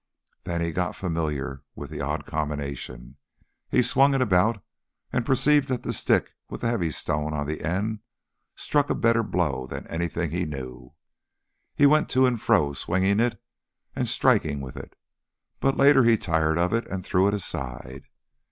But then he got familiar with the odd combination. He swung it about, and perceived that the stick with the heavy stone on the end struck a better blow than anything he knew. He went to and fro swinging it, and striking with it; but later he tired of it and threw it aside.